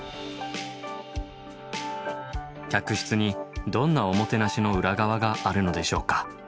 客室にどんなおもてなしの裏側があるのでしょうか。